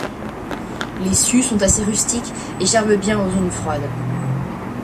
Les su sont assez rustiques et germent bien en zones froides.